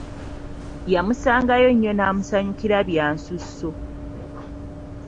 Yamusangayo nnyo n'amusanyukira bya nsuso.